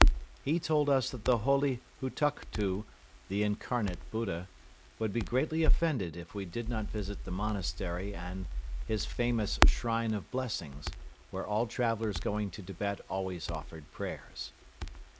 He told us that the Holy Hutuktu, "the Incarnate Buddha," would be greatly offended if we did not visit the monastery and his famous "Shrine of Blessings," where all travelers going to Tibet always offered prayers.